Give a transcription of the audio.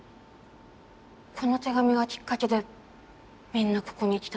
この手紙がきっかけでみんなここに来たの？